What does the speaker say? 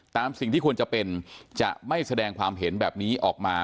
ตามสิ่งที่ควรจะเป็นจะไม่แสดงความเห็นแบบนี้ออกมา